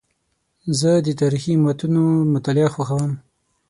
زه د تاریخي متونو مطالعه خوښوم.